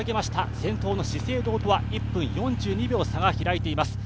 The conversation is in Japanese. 先頭の資生堂とは１分４２秒差が開いています。